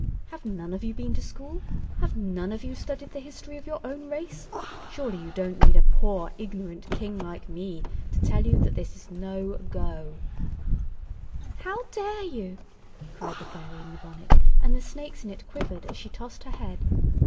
Have none of you been to school—have none of you studied the history of your own race? Surely you don't need a poor, ignorant King like me to tell you that this is no go?" "How dare you?" cried the fairy in the bonnet, and the snakes in it quivered as she tossed her head.